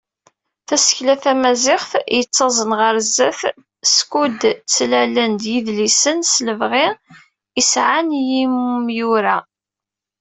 Tasekla tamaziɣt, yettaẓen ɣer sdat, skud ttlalen-d yidlisen s lebɣi i sɛan yimyura.